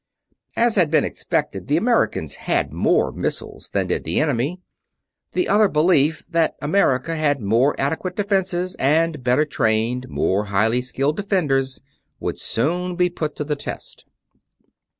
As had been expected, the Americans had more missiles than did the enemy. The other belief, that America had more adequate defenses and better trained, more highly skilled defenders, would soon be put to test.